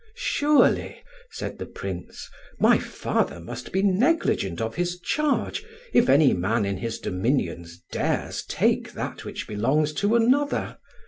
"Surely," said the Prince, "my father must be negligent of his charge if any man in his dominions dares take that which belongs to another.